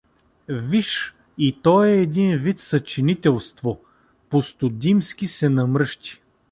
Виж, и то е един вид съчинителство… Пустодимски се намръщи.